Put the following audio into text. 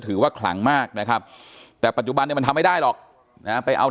ถือว่าขลังมากนะครับแต่ปัจจุบันมันทำไม่ได้หรอกไปเอา